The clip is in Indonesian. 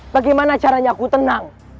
bagaimana caranya aku tenang